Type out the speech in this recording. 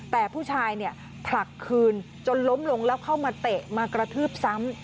แต่ผู้ชายเนี่ยผลักคืนจนล้มลงแล้วเข้ามาเตะมากระทืบซ้ำ